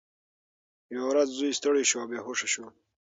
یوه ورځ زوی ستړی شو او بېهوښه شو.